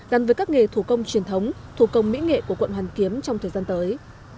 gắn với các nghề thủ công truyền thống thủ công mỹ nghệ của quận hoàn kiếm trong thời gian tới